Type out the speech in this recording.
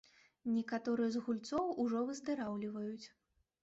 Некаторыя з гульцоў ужо выздараўліваюць.